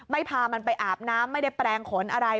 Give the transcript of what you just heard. พามันไปอาบน้ำไม่ได้แปลงขนอะไร